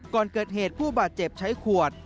ก่อนเกิดเหตุผู้บาดเจ็บใช้ขวด